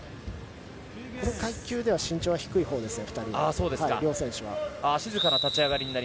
この階級では身長が低いほうですね